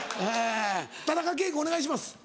田中圭君お願いします。